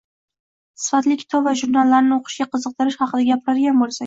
sifatli kitob va jurnallarni o‘qishga qiziqtirish haqida gapiradigan bo‘lsak